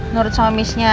nurut sama miss nya